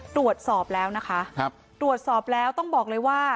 ตรวจสอบแล้วนะคะตรวจสอบแล้วต้องบอกเลยว่า